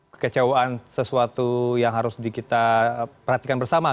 kekecewaan sesuatu yang harus kita perhatikan bersama